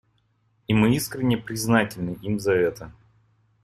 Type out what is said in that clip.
И мы искренне признательны им за это.